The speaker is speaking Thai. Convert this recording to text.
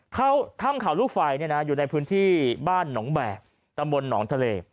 ถ้ำเขาลูกไฟอยู่ในพื้นที่บ้านหนองแบกตำบลหนองทะเล